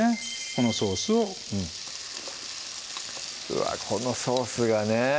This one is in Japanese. このソースをうわこのソースがね